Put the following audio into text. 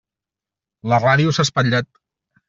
La ràdio s'ha espatllat.